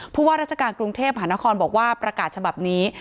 ว่าราชการกรุงเทพหานครบอกว่าประกาศฉบับนี้